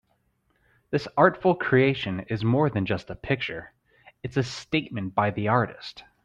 This artful creation is more than just a picture, it's a statement by the artist.